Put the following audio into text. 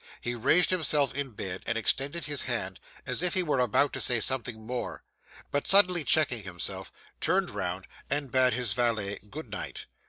He raised himself in bed, and extended his hand, as if he were about to say something more; but suddenly checking himself, turned round, and bade his valet 'Good night.